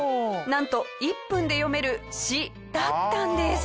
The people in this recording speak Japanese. なんと１分で読める詩だったんです。